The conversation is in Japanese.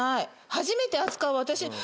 初めて扱う私。